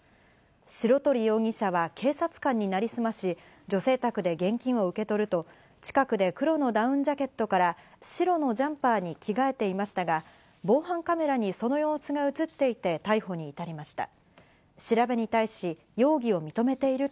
白鳥容疑者は警察官になりすまし、女性宅で現金を受け取ると、近くで黒のダウンジャケットから白のジャンパーに着替えていましたが、防犯カメラにその様子が映っていて逮捕に至りました。